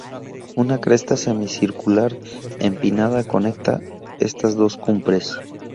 Una cresta semicircular empinada conecta estas dos cumbres.